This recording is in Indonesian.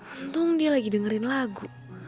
untung dia lagi dengerin lagu